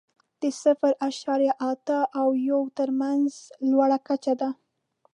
د صفر اعشاریه اته او یو تر مینځ لوړه کچه ده.